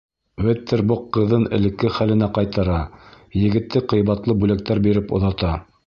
Веттербок ҡыҙын элекке хәленә ҡайтара, егетте ҡыйбатлы бүләктәр биреп оҙата.